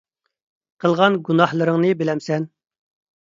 قىلغان گۇناھلىرىڭنى بىلەمسەن؟